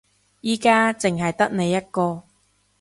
而家淨係得你一個